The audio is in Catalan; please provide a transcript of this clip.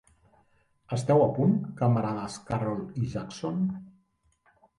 Esteu a punt, camarades Carroll i Jackson?